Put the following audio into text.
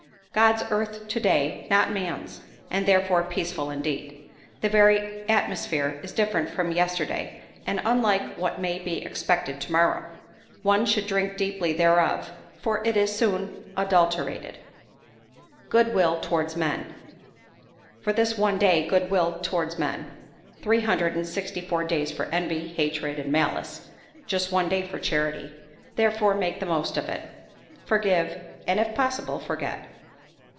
God's earth to day, not man's, and therefore peaceful indeed. The very atmosphere is different from yester day and unlike what may be expected to morrow ; one should drink deeply thereof, for it is soon adulterated. " Good will towards men." For this one day good will towards men. Three hundred and sixty four days for envy, hatred, and malice ; just one for charity. Therefore make the most of it; forgive, and, if possible, forget.